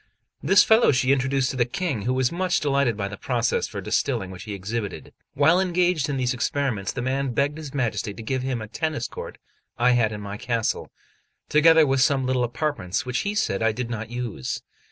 This fellow she introduced to the King, who was much delighted by the processes for distilling which he exhibited. While engaged in these experiments, the man begged his Majesty to give him a tennis court I had in my castle, together with some little apartments which he said I did not use.